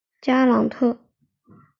加朗特。